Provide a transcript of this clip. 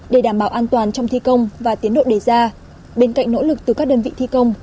để đảm bảo an toàn trong thi công và tiến độ đề ra bên cạnh nỗ lực từ các đơn vị thi công